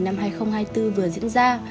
năm hai nghìn hai mươi bốn vừa diễn ra